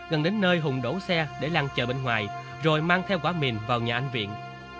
gần đến nơi hùng đổ xe để lan chờ bên ngoài rồi mang theo quả miệng vào nhà anh viện